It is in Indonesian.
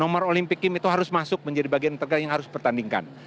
nomor olimpic games itu harus masuk menjadi bagian yang harus pertandingkan